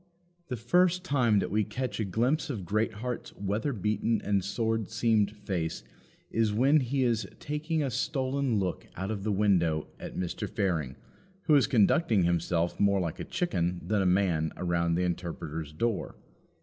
The first time that we catch a glimpse of Greatheart's weather beaten and sword seamed face is when he is taking a stolen look out of the window at Mr. Fearing, who is conducting himself more like a chicken than a man around the Interpreter's door.